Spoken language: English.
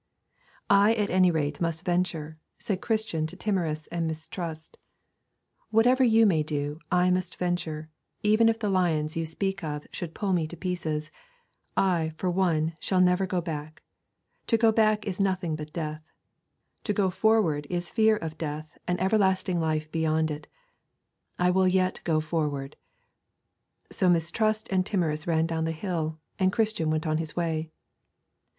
'I at any rate must venture,' said Christian to Timorous and Mistrust. 'Whatever you may do I must venture, even if the lions you speak of should pull me to pieces. I, for one, shall never go back. To go back is nothing but death; to go forward is fear of death and everlasting life beyond it. I will yet go forward.' So Mistrust and Timorous ran down the hill, and Christian went on his way.